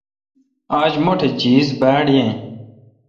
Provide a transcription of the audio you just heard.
آج مٹھ جیس باڑ یین۔